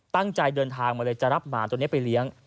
ตั้งใจเดินทางมาเลยจะรับหมาตัวนี้ไปเลี้ยง